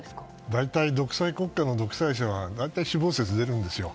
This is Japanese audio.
大体、独裁国家の独裁者には死亡説が出るんですよ。